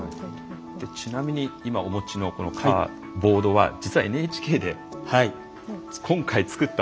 ちなみに今お持ちのこのボードは実はＮＨＫで今回作ったものなんですよね。